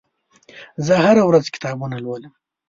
زه هره ورځ کتابونه لولم.